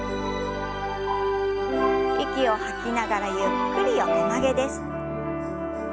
息を吐きながらゆっくり横曲げです。